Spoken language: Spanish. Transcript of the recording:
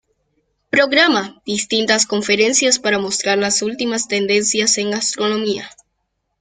Programa: Distintas conferencias para mostrar las últimas tendencias en gastronomía.